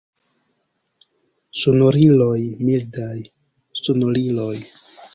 Sonoriloj mildaj, sonoriloj!